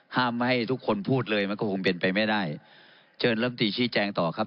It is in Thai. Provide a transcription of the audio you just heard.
ห้ามให้ทุกคนพูดเลยมันก็คงเป็นไปไม่ได้เชิญลำตีชี้แจงต่อครับ